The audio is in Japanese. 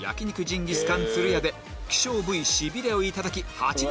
ジンギスカンつるやで希少部位シビレをいただき